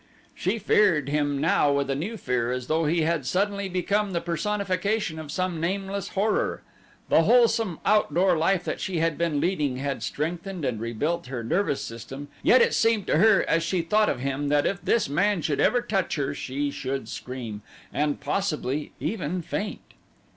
She feared him now with a new fear as though he had suddenly become the personification of some nameless horror. The wholesome, outdoor life that she had been leading had strengthened and rebuilt her nervous system yet it seemed to her as she thought of him that if this man should ever touch her she should scream, and, possibly, even faint.